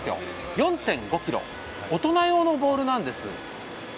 ４．５ｋｇ、大人用のボールなんです。